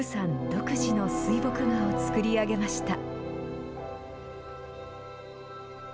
独自の水墨画を作り上げました。